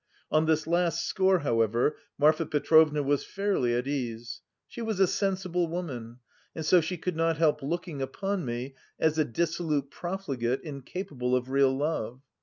On this last score, however, Marfa Petrovna was fairly at ease. She was a sensible woman and so she could not help looking upon me as a dissolute profligate incapable of real love.